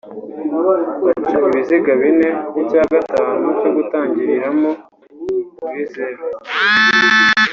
baca ibiziga bine n’icya gatanu cyo gutangiriramo (muri zeru)